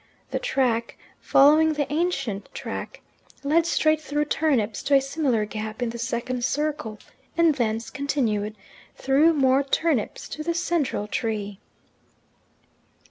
The track, following the ancient track, led straight through turnips to a similar gap in the second circle, and thence continued, through more turnips, to the central tree.